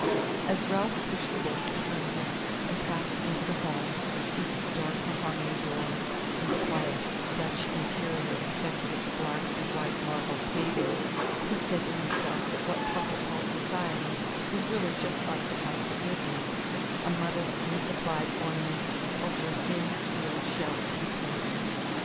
As Ralph pushed the bolts behind him, and passed into the hall, with its dark mahogany doors and the quiet "Dutch interior" effect of its black and white marble paving, he said to himself that what Popple called society was really just like the houses it lived in: a muddle of misapplied ornament over a thin steel shell of utility.